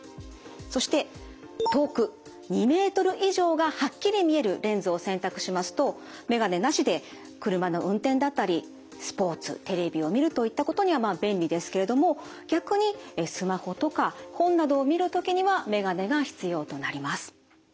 そして遠く２ｍ以上がはっきり見えるレンズを選択しますと眼鏡なしで車の運転だったりスポーツテレビを見るといったことにはまあ便利ですけれども逆にスマホとか本などを見る時には眼鏡が必要となります。